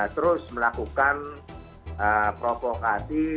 terus melakukan provokasi